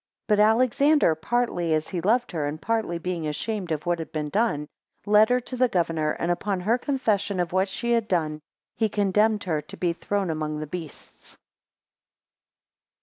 6 But Alexander, partly as he loved her, and partly being ashamed of what had been done, led her to the governor, and upon her confession of what she had done, he condemned her to be thrown among the beasts.